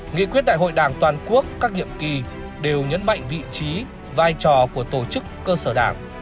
nghị quyết đại hội đảng toàn quốc các nhiệm kỳ đều nhấn mạnh vị trí vai trò của tổ chức cơ sở đảng